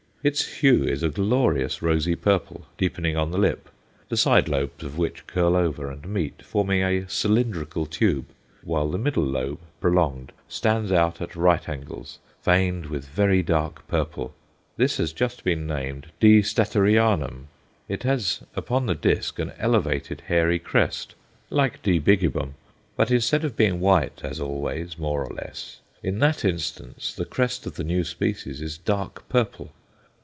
Its hue is a glorious rosy purple, deepening on the lip, the side lobes of which curl over and meet, forming a cylindrical tube, while the middle lobe, prolonged, stands out at right angles, veined with very dark purple; this has just been named D. Statterianum. It has upon the disc an elevated, hairy crest, like D. bigibbum, but instead of being white as always, more or less, in that instance, the crest of the new species is dark purple.